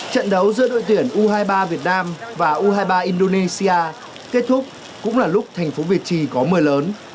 trận đấu giữa đội tuyển u hai mươi ba việt nam và u hai mươi ba indonesia kết thúc cũng là lúc thành phố việt trì có mưa lớn